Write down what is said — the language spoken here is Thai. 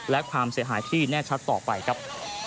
และความเสียหายที่แน่ชัดต่อไปครับ